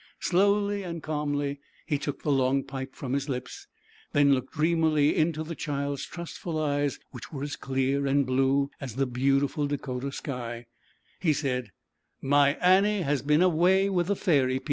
Slowly and ZAUBERLINDA, THE WISE WITCH. 255 calmly he took the long pipe from his lips; then looking dreamily into the child's trustful eyes, which were as clear and blue as the beautiful Dakota sky, he said, "My Annie has been away with the Fairy People."